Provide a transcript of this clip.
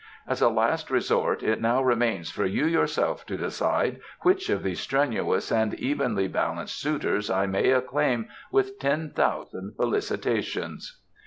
As a last resort it now remains for you yourself to decide which of these strenuous and evenly balanced suitors I may acclaim with ten thousand felicitations."